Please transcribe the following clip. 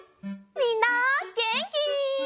みんなげんき？